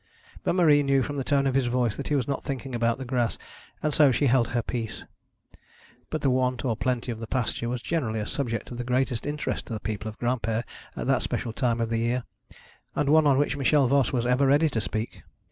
But Marie knew from the tone of his voice that he was not thinking about the grass, and so she held her peace. But the want or plenty of the pasture was generally a subject of the greatest interest to the people of Granpere at that special time of the year, and one on which Michel Voss was ever ready to speak.